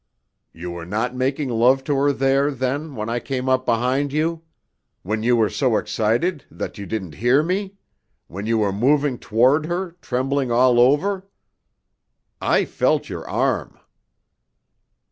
"You were not making love to her there, then, when I came up behind you? When you were so excited that you didn't hear me? when you were moving toward her trembling all over? I felt your arm!"